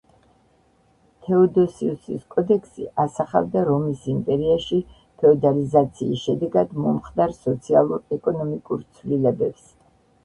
თეოდოსიუსის კოდექსი ასახავდა რომის იმპერიაში ფეოდალიზაციის შედეგად მომხდარ სოციალურ-ეკონომიკურ ცვლილებებს.